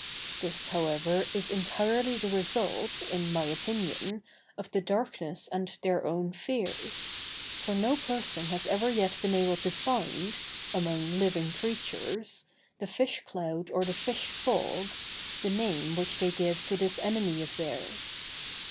This, however, is entirely the result, in my opinion, of the darkness and their own fears; for no person has ever yet been able to find, among living creatures, the fish cloud or the fish fog, the name which they give to this enemy of theirs.